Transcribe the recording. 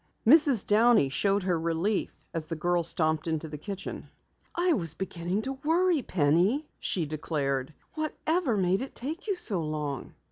Mrs. Downey showed her relief as the girl stomped into the kitchen. "I was beginning to worry, Penny," she declared. "Whatever made it take you so long?"